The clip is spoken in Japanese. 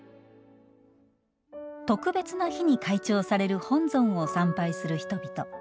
特別な日に開帳される本尊を参拝する人々。